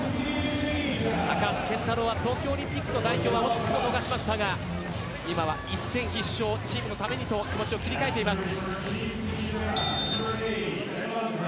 高橋健太郎は東京オリンピックの代表は惜しくも逃しましたが今は一戦必勝チームのためにと切り替えています。